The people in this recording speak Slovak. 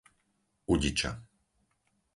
Udiča